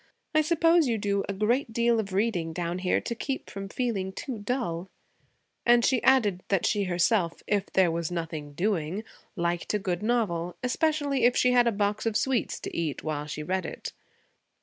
'I suppose you do a great deal of reading down here to keep from feeling too dull'; and she added that she herself, if there was 'nothing doing,' liked a good novel, especially if she had a box of sweets to eat while she read it.